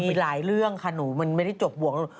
มีหลายเรื่องค่ะหนูมันไม่ได้จบบวก